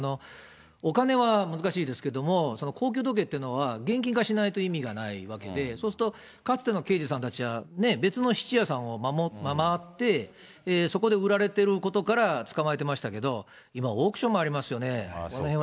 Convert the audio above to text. お金は難しいですけれども、その高級時計っていうのは、現金化しないと意味がないわけで、そうすると、かつての刑事さんたちはね、別の質屋さんを回って、そこで売られてることから捕まえていましたけれども、今、オークションもありますよね。